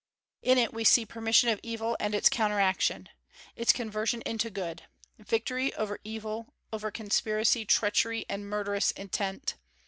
In it we see permission of evil and its counteraction, its conversion into good; victory over evil, over conspiracy, treachery, and murderous intent.